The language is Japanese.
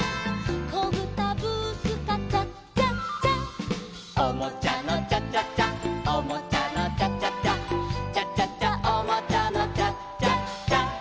「こぶたブースカチャチャチャ」「おもちゃのチャチャチャおもちゃのチャチャチャ」「チャチャチャおもちゃのチャチャチャ」